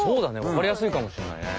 わかりやすいかもしんないね。